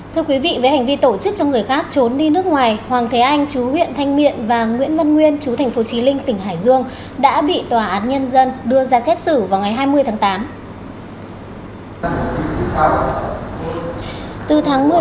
thưa quý vị với hành vi tổ chức cho người khác trốn đi nước ngoài hoàng thế anh chú huyện thanh miện và nguyễn văn nguyên chú thành phố trí linh tỉnh hải dương đã bị tòa án nhân dân đưa ra xét xử vào ngày hai mươi tháng tám